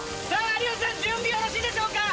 有吉さん準備よろしいでしょうか？